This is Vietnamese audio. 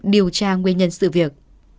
điều tra nguyên nhân sự việc